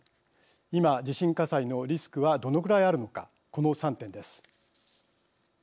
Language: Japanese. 今地震火災のリスクはどのぐらいあるのかこの３点です。